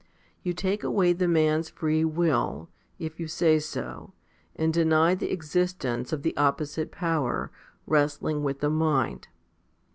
You take away the man's free will, if you say so, and deny the existence of the opposite power, wrestling with the mind.